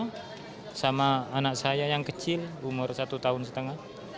saya sama anak saya yang kecil umur satu tahun setengah